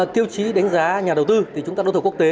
tiêu chí đánh giá nhà đầu tư thì chúng ta đấu thầu quốc tế